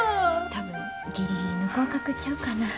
多分ギリギリの合格ちゃうかな。